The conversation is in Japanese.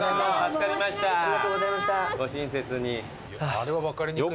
あれは分かりにくいわ。